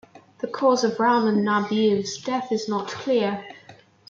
The cause of Rahmon Nabiev's death is not clear.